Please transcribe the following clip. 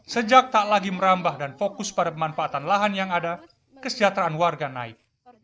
sejak tak lagi merambah dan fokus pada pemanfaatan lahan yang ada kesejahteraan warga naik